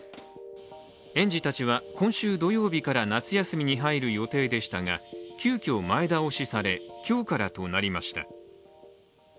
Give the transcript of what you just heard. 園児たちは、今週土曜日から夏休みに入る予定でしたが急きょ前倒しされ、今日からとなりました。